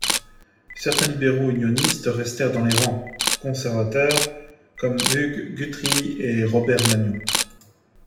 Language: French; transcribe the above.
Certains Libéraux-unionistes restèrent dans les rangs conservateurs comme Hugh Guthrie et Robert Manion.